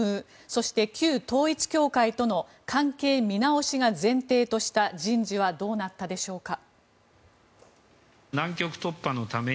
そして、旧統一教会との関係見直しが前提とした人事はどうなったでしょうか。